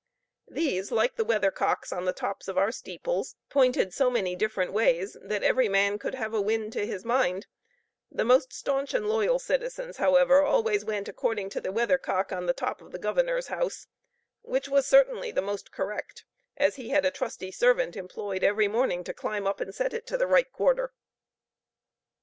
These, like the weathercocks on the tops of our steeples, pointed so many different ways, that every man could have a wind to his mind; the most staunch and loyal citizens, however, always went according to the weathercock on the top of the governor's house, which was certainly the most correct, as he had a trusty servant employed every morning to climb up and set it to the right quarter.